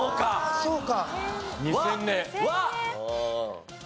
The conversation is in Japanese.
そうか。